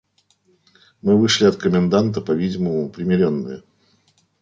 Мы вышли от коменданта по-видимому примиренные.